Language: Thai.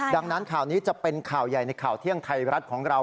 ดังนั้นข่าวนี้จะเป็นข่าวใหญ่ในข่าวเที่ยงไทยรัฐของเรา